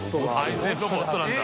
配膳ロボットなんだ。